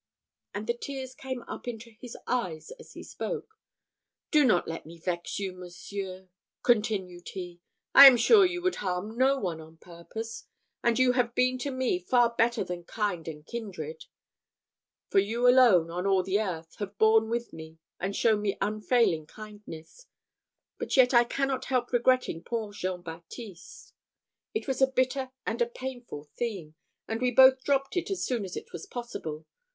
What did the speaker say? And the tears came up into his eyes as he spoke. "Do not let me vex you, monseigneur," continued he: "I am sure you would harm no one on purpose; and you have been to me far better than kind and kindred; for you alone, on all the earth, have borne with me, and showed me unfailing kindness; but yet I cannot help regretting poor Jean Baptiste." It was a bitter and a painful theme; and we both dropped it as soon as it was possible.